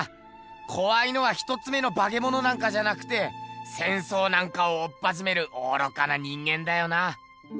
こわいのは一つ目のバケモノなんかじゃなくて戦争なんかをおっぱじめる愚かな人間だよな。